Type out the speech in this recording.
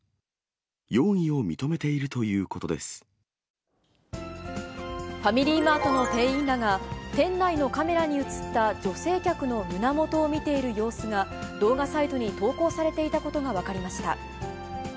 容疑を認めているということファミリーマートの店員らが、店内のカメラに写った女性客の胸元を見ている様子が、動画サイトに投稿されていたことが分かりました。